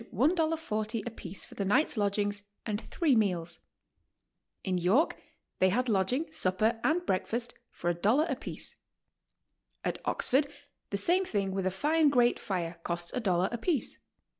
40 apiece for the night's lodg ing and three meels. Tn York they had lodging, supper and breakfast for a dollar apiece. At Oxford the same thing with a fine grate fire cost a dollar apiece.